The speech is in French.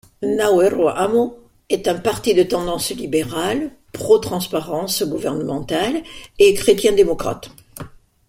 Naoero Amo est un parti de tendance libérale, pro-transparence gouvernementale et chrétien-démocrate.